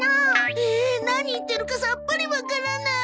ええ何言ってるかさっぱりわからない。